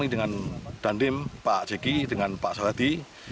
ini dengan dandim pak jeki dengan pak soehati